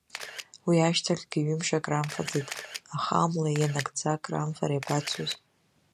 Уи ашьҭахьгьы ҩымш акрамфаӡеит, аха амла ианакӡа, акрамфар иабацоз…